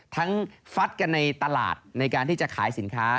ฟัดกันในตลาดในการที่จะขายสินค้า